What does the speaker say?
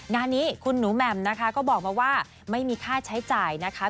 งานนี้คุณหนูแหม่มนะคะก็บอกมาว่าไม่มีค่าใช้จ่ายนะคะ